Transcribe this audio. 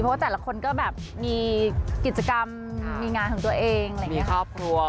เพราะว่าแต่ละคนก็แบบมีกิจกรรมมีงานของตัวเองมีครอบครัว